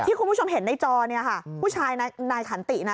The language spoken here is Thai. คุณผู้ชมเห็นในจอเนี่ยค่ะผู้ชายนายขันตินะ